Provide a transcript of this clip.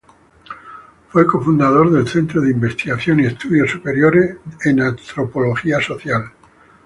Fue cofundador del Centro de Investigación y Estudios Superiores en Antropología Social.